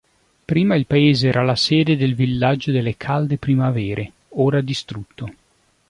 Prima il paese era la sede del Villaggio delle Calde Primavere, ora distrutto.